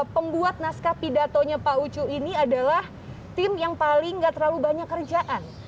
pembuat naskah pidatonya pak ucu ini adalah tim yang paling gak terlalu banyak kerjaan